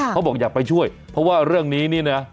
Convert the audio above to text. เขาบอกอยากไปช่วยเพราะว่าเรื่องนี้นี่นะ